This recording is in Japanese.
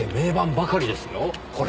これ。